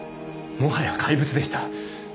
もはや怪物でした。